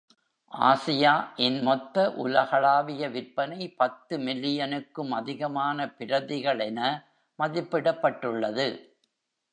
"Asia" இன் மொத்த உலகளாவிய விற்பனை பத்து மில்லியனுக்கும் அதிகமான பிரதிகள் என மதிப்பிடப்பட்டுள்ளது.